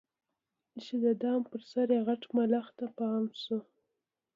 چي د دام پر سر یې غټ ملخ ته پام سو